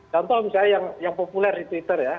contoh misalnya yang populer di twitter ya